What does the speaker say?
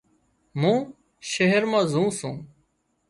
مُون شهر مان زون سُون